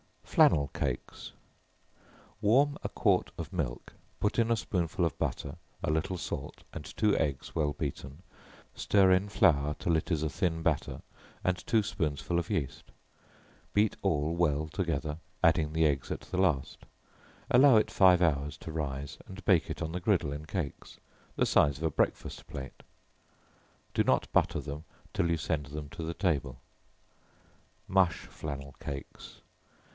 Flannel Cakes. Warm a quart of milk, put in a spoonful of butter, a little salt, and two eggs well beaten, stir in flour till it is a thin batter, and two spoonsful of yeast; beat all well together, adding the eggs at the last; allow it five hours to rise, and bake it on the griddle in cakes, the size of a breakfast plate. Do not butter them till you send them to the table. Mush Flannel Cakes.